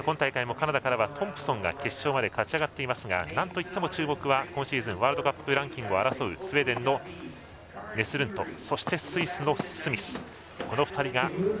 今大会もカナダからはトンプソンが決勝まで勝ち上がっていますがなんといっても注目は今シーズンワールドカップランキングを争うスウェーデンのネスルント。